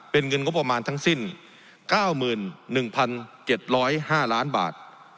เป็นเงินงบประมาณทั้งสิ้น๙๑๗๐๕ล้านบาท